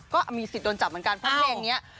ก็มีสิทธิ์โดนจับเหมือนกันเพราะเพลงนี้